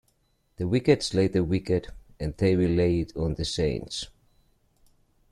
The wicked slay the wicked, and they will lay it on the Saints.